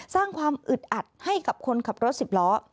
สร้างความอึดอัดให้กับคนขับรถสิบล้อ